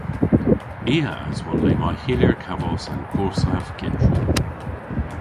I a aswon le may hyllir kavos an gorsav kyttrin.